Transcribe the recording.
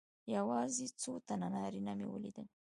یوازې څو تنه نارینه مې ولیدل.